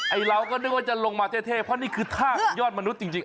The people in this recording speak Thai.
เราก็นึกว่าจะลงมาเท่เพราะนี่คือท่าของยอดมนุษย์จริง